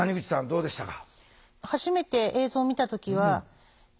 どうでしたか？